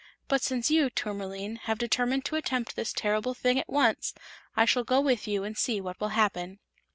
But since you, Tourmaline, have determined to attempt this terrible thing at once, I shall go with you and see what will happen."